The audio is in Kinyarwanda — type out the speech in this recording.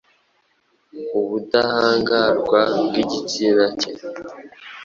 ubudahangarwa bw’igitsina cye.